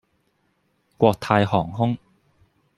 國泰航空